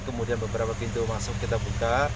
kemudian beberapa pintu masuk kita buka